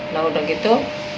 nah udah gitu